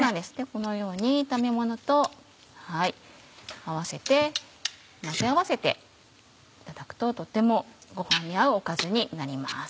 このように炒めものと合わせて混ぜ合わせていただくととってもご飯に合うおかずになります。